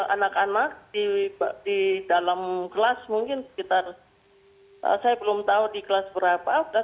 anak anak di dalam kelas mungkin sekitar saya belum tahu di kelas berapa